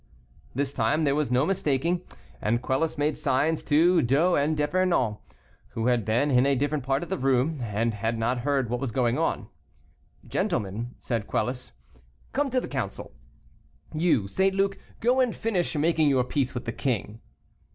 This time there was no mistaking, and Quelus made signs to D'O and D'Epernon, who had been in a different part of the room, and had not heard what was going on. "Gentlemen," said Quelus, "come to the council; you, St. Luc, go and finish making your peace with the king."